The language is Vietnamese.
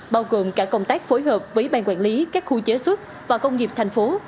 bao gồm cả công tác phối hợp với ban quản lý các khu chế xuất và công nghiệp thành phố